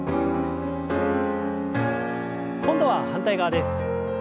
今度は反対側です。